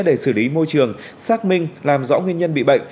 để xử lý môi trường xác minh làm rõ nguyên nhân bị bệnh